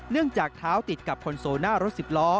เนื่องจากเท้าติดกับคอนโซน่ารถสิบล้อ